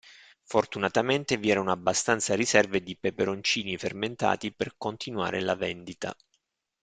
Fortunatamente vi erano abbastanza riserve di peperoncini fermentati per continuare la vendita.